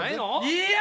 いや！